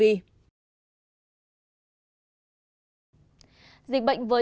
dịch bệnh với diễn biến sức khỏe